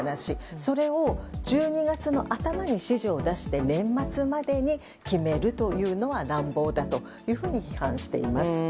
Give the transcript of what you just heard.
それを１２月の頭に指示を出して年末までに決めるというのが乱暴だというふうに批判しています。